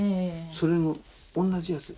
それの同じやつ。